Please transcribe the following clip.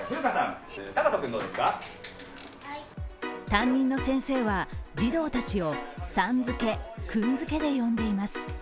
担任の先生は、児童たちをさん付け、君付けで呼んでいます。